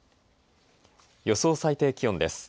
予想最低気温です。